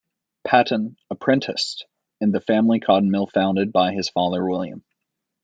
Patton apprenticed in the family cotton mill founded by his father William.